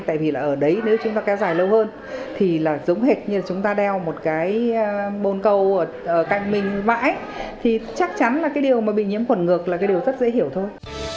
tại vì là ở đấy nếu chúng ta kéo dài lâu hơn thì là giống hệt như chúng ta đeo một cái bồn cầu ở cạnh mình mãi thì chắc chắn là cái điều mà bị nhiễm khuẩn ngược là cái điều rất dễ hiểu thôi